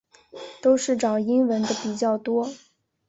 都是找英文的比较多